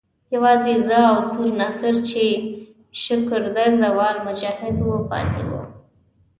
یوازې زه او سور ناصر چې شکر درده وال مجاهد وو پاتې وو.